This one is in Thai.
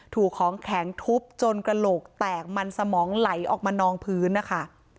ถูกของแข็งทุบจนกระโหลกแตกมันสมองไหลออกมานองพื้นนะคะ